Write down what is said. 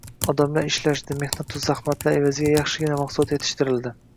Odamlar ishlashdi, mehnatu zahmatlar evaziga yaxshigina mahsulot yetishtirildi